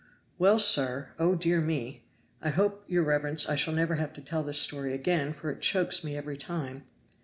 "Well, sir! oh dear me! I hope, your reverence, I shall never have to tell this story again, for it chokes me every time."